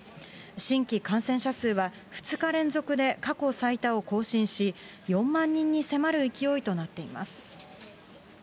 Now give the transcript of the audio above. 新規感染者数は２日連続で過去最多を更新し、４万人に迫る勢いとなっています。